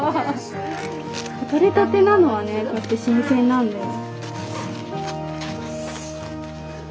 とれたてなのはねこうやって新鮮なんだよ。